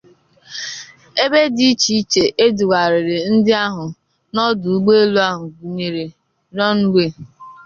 Ebe dị icheiche e dugharịrị ndị ahụ n'ọdụ ụgbọelu ahụ gụnyere runway